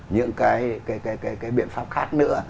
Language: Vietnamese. những cái biện pháp khác nữa